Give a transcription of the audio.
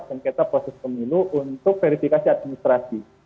sengketa proses pemilu untuk verifikasi administrasi